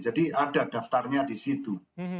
jadi ada daftarnya di situ